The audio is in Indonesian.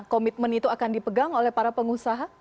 komitmen itu akan dipegang oleh para pengusaha